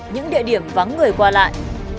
những địa điểm vắng người qua lại